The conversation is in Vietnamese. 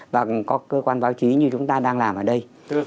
và có cơ quan báo chí như chúng ta đang làm ở đây